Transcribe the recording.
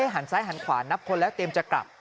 หันซ้ายหันขวานับคนแล้วเตรียมจะกลับ